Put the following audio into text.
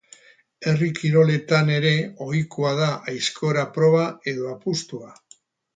Herri kiroletan ere ohikoa da aizkora proba edo apustua.